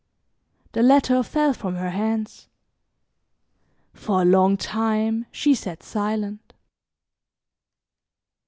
The letter fell from her hands. For a long time she sat silent.